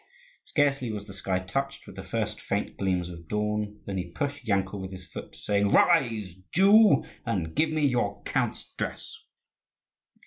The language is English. Scarcely was the sky touched with the first faint gleams of dawn than he pushed Yankel with his foot, saying: "Rise, Jew, and give me your count's dress!"